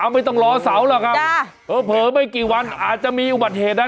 ไม่ต้องรอเสาหรอกครับเผลอไม่กี่วันอาจจะมีอุบัติเหตุได้